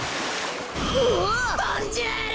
ボンジュール！